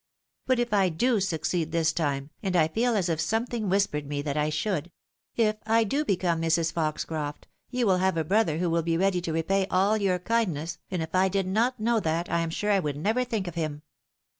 But if I do succeed this time, and I feel as if something whispered me that I should, if I do become Mrs. Foxcroft, you will have a brother who will be ready to repay all your kindness, and if I did not know that, I am sure I would never think of him."